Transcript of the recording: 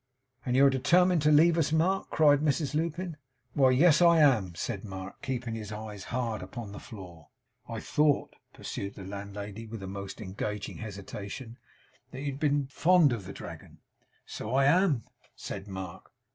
'And you are determined to leave us, Mark?' cried Mrs Lupin. 'Why, yes; I am,' said Mark; keeping his eyes hard upon the floor. 'I thought,' pursued the landlady, with a most engaging hesitation, 'that you had been fond of the Dragon?' 'So I am,' said Mark.